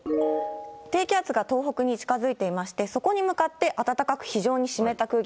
低気圧が東北に近づいていまして、そこに向かって暖かく非常に湿った空気が。